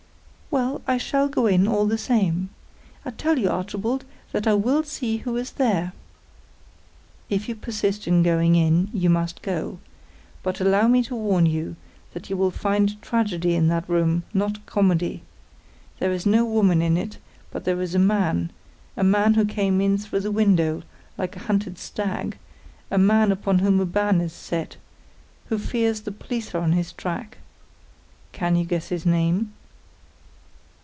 "Well, I shall go in, all the same. I tell you, Archibald, that I will see who is there." "If you persist in going in, you must go. But allow me to warn you that you will find tragedy in that room, not comedy. There is no woman in it, but there is a man; a man who came in through the window, like a hunted stag; a man upon whom a ban is set, who fears the police are upon his track. Can you guess his name?"